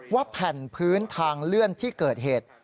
ว่าแผ่นพื้นทางเลื่อนที่เกิดเหตุ